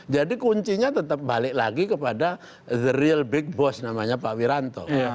jadi kuncinya tetap balik lagi kepada the real big boss namanya pak wiranto